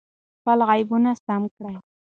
خپل عیبونه سم کړئ.